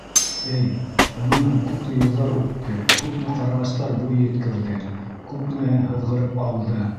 Эй, унан һуң күпме йылдар үтте, күпме ҡарағастар буй еткерҙе, күпмеһе һыҙғырып ауҙы.